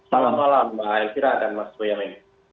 selamat malam mbak elvira dan mas boyamin